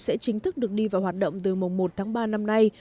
sẽ chính thức được đi vào hoạt động từ mùng một tháng ba năm nay